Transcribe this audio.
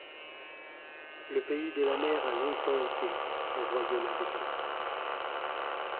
Le Pays de la Mer a longtemps été un royaume indépendant.